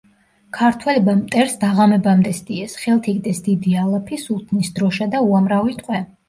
ქართველებმა მტერს დაღამებამდე სდიეს, ხელთ იგდეს დიდი ალაფი, სულთნის დროშა და უამრავი ტყვე.